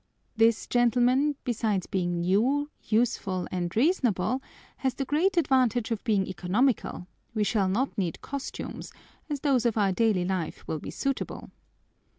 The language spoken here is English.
This, gentlemen, besides being new, useful, and reasonable, has the great advantage of being economical; we shall not need costumes, as those of our daily life will be suitable."